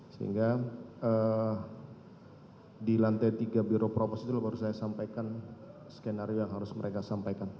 sehingga di lantai tiga biro propos itu baru saya sampaikan skenario yang harus mereka sampaikan